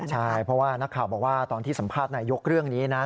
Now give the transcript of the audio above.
ใช่เพราะว่านักข่าวบอกว่าตอนที่สัมภาษณ์นายกเรื่องนี้นะ